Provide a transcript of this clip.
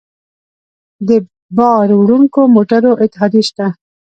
د بار وړونکو موټرو اتحادیې شته